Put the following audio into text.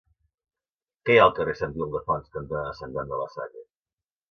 Què hi ha al carrer Sant Ildefons cantonada Sant Joan de la Salle?